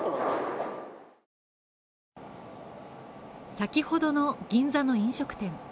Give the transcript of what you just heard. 先ほどの銀座の飲食店